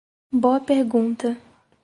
Boa pergunta